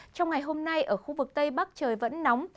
trong ngày hôm nay ở khu vực tây bắc trời vẫn nóng